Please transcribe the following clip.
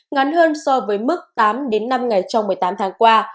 ngắn hơn so với mức tám năm ngày trong một mươi tám tháng qua